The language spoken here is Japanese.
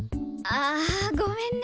あごめんね。